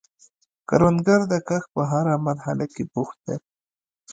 کروندګر د کښت په هره مرحله کې بوخت دی